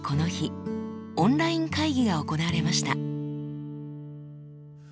オンライン会議が行われました。